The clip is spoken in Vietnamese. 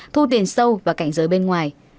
thu tiền sâu và cảnh giới bên ngoài